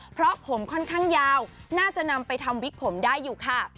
เพราะผมค่อนข้างยาวน่าจะนำไปทำวิกผมได้อยู่ค่ะ